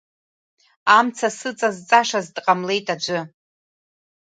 Амца сыҵазҵашаз дҟамлеит аӡәы.